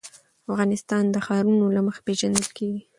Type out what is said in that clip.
افغانستان د ښارونه له مخې پېژندل کېږي.